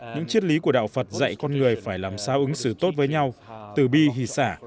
những chiếc lý của đạo phật dạy con người phải làm sao ứng xử tốt với nhau tử bi hì xả